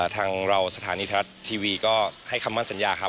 ทางเราสถานีทรัฐทีวีก็ให้คำมั่นสัญญาครับ